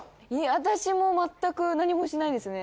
私もまったく何もしないですね。